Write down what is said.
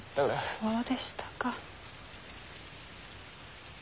そうでしたか。